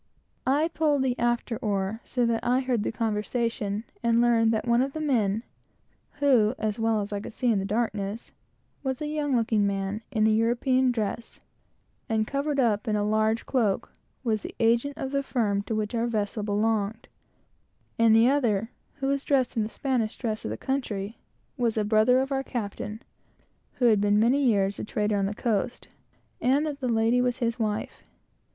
I pulled the after oar, so that I heard the conversation, and learned that one of the men, who, as well as I could see in the darkness, was a young looking man, in the European dress, and covered up in a large cloak, was the agent of the firm to which our vessel belonged; and the other, who was dressed in the Spanish dress of the country, was a brother of our captain, who had been many years a trader on the coast, and had married the lady who was in the boat.